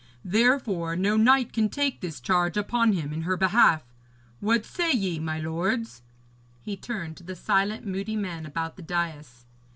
Therefore, no knight can take this charge upon him in her behalf. What say ye, my lords?' He turned to the silent, moody men about the dais.